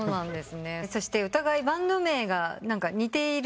そしてお互いバンド名が似ている？